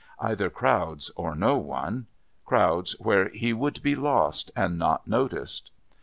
Either crowds or no one. Crowds where he would be lost and not noticed.